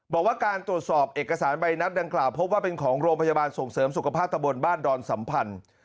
บอกว่าการตรวจสอบเอกสารใบนัดดังกล่าวพบว่าเป็นของโรงพยาบาลส่งเสริมสุขภาพตะบนบ้านดอนสัมพันธ์